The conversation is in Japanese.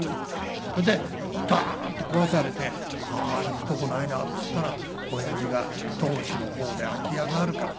それでドーンと壊されて「ああ行くとこないな」っつったらおやじが「戸越の方で空き家があるから」